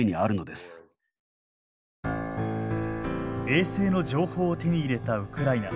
衛星の情報を手に入れたウクライナ。